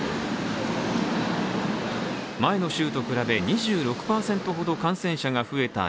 前の週と比べ２６％ほど感染者が増えた